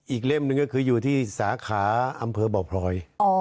เล่มหนึ่งก็คืออยู่ที่สาขาอำเภอบ่อพลอย